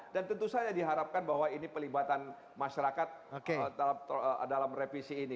dan tentu saja diharapkan bahwa ini pelibatan masyarakat dalam revisi ini